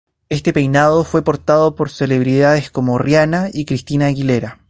Este peinado fue portado por celebridades como Rihanna y Christina Aguilera.